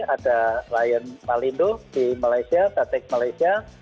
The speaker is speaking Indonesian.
ada lion malindo di malaysia datik malaysia